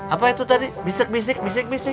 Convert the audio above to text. apa itu tadi bisik bisik bisik bisik